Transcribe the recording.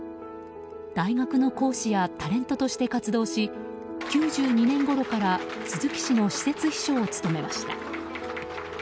大学の講師やタレントとして活動し９２年ごろから鈴木氏の私設秘書を務めました。